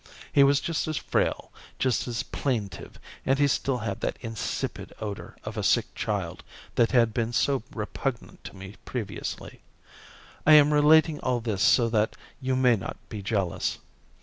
He was just as frail, just as plaintive, and he still had that insipid odour of a sick child that had been so repugnant to me previously. I am relating all this so that you may not be jealous.